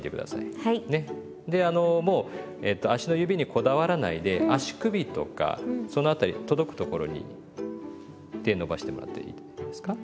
あのもう足の指にこだわらないで足首とかその辺り届くところに手伸ばしてもらっていいですか。